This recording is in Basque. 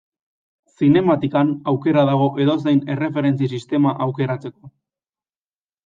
Zinematikan aukera dago edozein erreferentzia-sistema aukeratzeko.